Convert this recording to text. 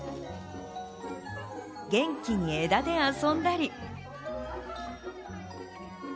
元気に枝で遊んだり。